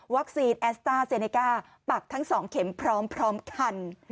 แอสต้าเซเนก้าปักทั้ง๒เข็มพร้อมคัน